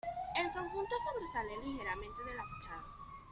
El conjunto sobresale ligeramente de la fachada.